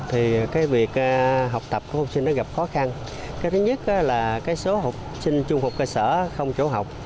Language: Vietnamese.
học sinh trung học cơ sở không chỗ học